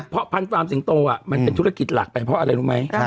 เพราะพันธรามสิงโตมันเป็นธุรกิจหลักไปเพราะอะไรรู้ไหม